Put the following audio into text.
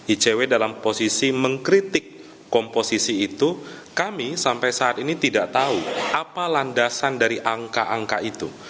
icw dalam posisi mengkritik komposisi itu kami sampai saat ini tidak tahu apa landasan dari angka angka itu